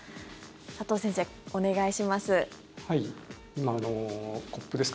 佐藤先生、お願いします。